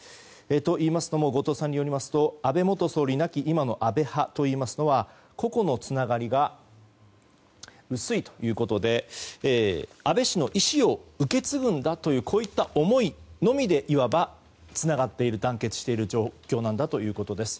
といいますのも後藤さんによりますと安倍元総理亡き今の安倍派といいますのは個々のつながりが薄いということで安倍氏の遺志を受け継ぐんだという思いのみでいわばつながっている団結している状況ということです。